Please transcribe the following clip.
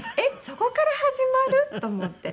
そこから始まる？と思って。